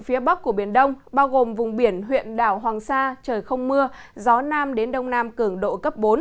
phía bắc của biển đông bao gồm vùng biển huyện đảo hoàng sa trời không mưa gió nam đến đông nam cường độ cấp bốn